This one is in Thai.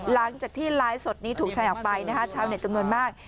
หลังจากที่ไลฟ์สดนี้ถูกแชร์ออกไปนะคะชาวเน็ตจำนวนมาก